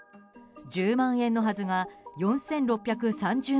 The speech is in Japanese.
１０万円のはずが４６３０万円。